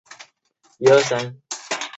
康熙二十七年将父母迁葬回金门兰厝山。